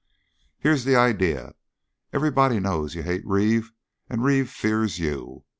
"Here's the idea. Everybody knows you hate Reeve, and Reeve fears you.